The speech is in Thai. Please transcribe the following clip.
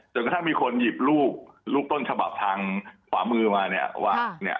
จนกระทั่งมีคนหยิบรูปรูปต้นฉบับทางขวามือมาเนี่ย